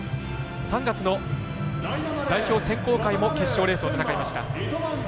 ３月の代表選考会も決勝レースを戦いました。